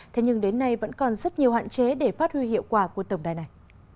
thế nhưng đến nay vẫn còn rất nhiều hạn chế để phát huy hiệu quả của tổng đài này